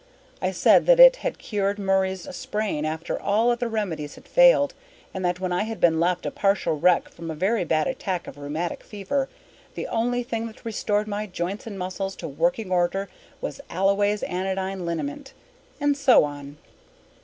I said that it had cured Murray's sprain after all other remedies had failed and that, when I had been left a partial wreck from a very bad attack of rheumatic fever, the only thing that restored my joints and muscles to working order was Alloway's Anodyne Liniment, and so on.